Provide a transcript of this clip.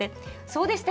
そうでした。